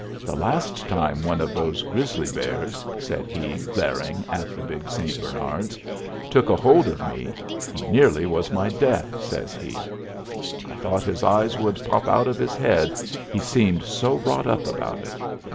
The last time one of those grizzly bears," said he, glaring at the big St. Bernards, "took a hold of me, he nearly was my death," says he. I thought his eyes would pop out of his head, he seemed so wrought up about it.